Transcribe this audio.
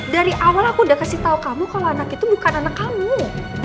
dari awal aku udah kasih tau kamu kalau anak itu bukan anak kamu